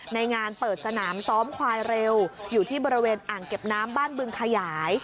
ในงานเปิดสนามซ้อมควายเร็วอยู่ที่บริเวณอ่างเก็บน้ำบ้านบึงขยาย